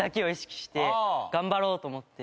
頑張ろうと思って。